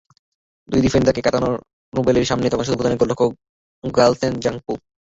দুই ডিফেন্ডারকে কাটানো রুবেলের সামনে তখন শুধু ভুটানের গোলরক্ষক গায়ালশেন জাঙপো।